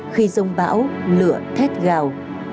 khi rông bão lửa thét gào